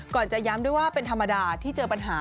จะย้ำด้วยว่าเป็นธรรมดาที่เจอปัญหา